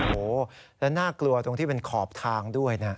โอ้โหแล้วน่ากลัวตรงที่เป็นขอบทางด้วยนะ